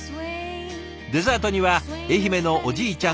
デザートには愛媛のおじいちゃん